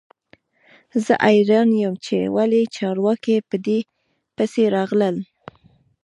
زه حیران یم چې ولې چارواکي په دې پسې راغلل